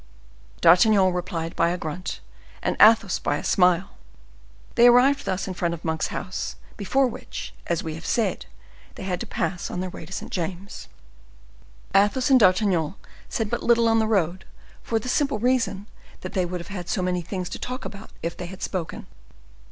D'Artagnan replied by a grunt, and Athos by a smile. They arrived thus in front of Monk's house, before which, as we have said, they had to pass on their way to St. James's. Athos and D'Artagnan said but little on the road, for the simple reason that they would have had so many things to talk about if they had spoken.